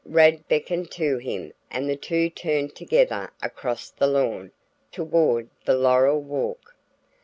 Rad beckoned to him and the two turned together across the lawn toward the laurel walk.